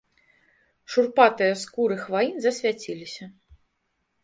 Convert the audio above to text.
Шурпатыя скуры хваін засвяціліся.